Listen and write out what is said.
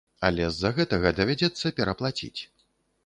Але з-за гэтага давядзецца пераплаціць.